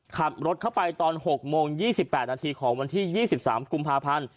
ขับรถเข้าไปตอน๖โมง๒๘นาทีของวันที่๒๓กุมภาพันธ์